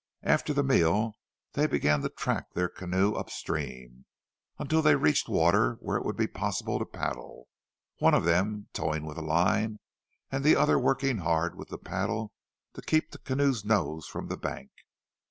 After the meal they began to track their canoe upstream, until they reached water where it would be possible to paddle, one of them towing with a line, and the other working hard with the paddle to keep the canoe's nose from the bank.